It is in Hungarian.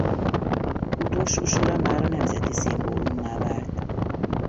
Utolsó sora mára nemzeti szimbólummá vált.